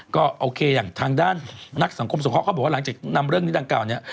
ก็โอเคอย่างทางด้านนักสังคมสงเคราะเขาบอกว่าหลังจากนำเรื่องนี้ดังกล่าวเนี่ย